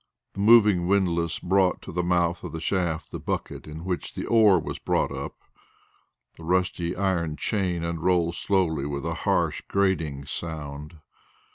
The moving windlass brought to the mouth of the shaft the bucket in which the ore was brought up. The rusty iron chain unrolled slowly with a harsh grating sound.